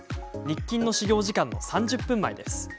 日勤の始業時間の３０分前です。